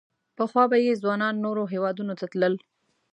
پخوا به یې ځوانان نورو هېوادونو ته تلل.